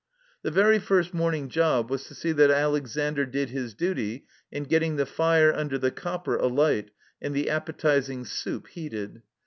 The very first morning job was to see that Alexandre did his duty in get ting the fire under the copper alight and the appetizing soup heated.